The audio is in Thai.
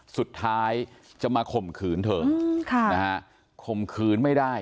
สุดท้ายจะมาข่มขืนเธออืมค่ะนะฮะข่มขืนไม่ได้